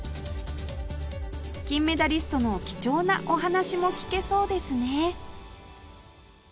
金メダリストの貴重なお話も聞けそうですね